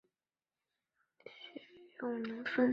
徐永宁孙。